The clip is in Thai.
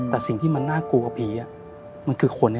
แต่สิ่งที่มันน่ากลัวกว่าผีมันคือคน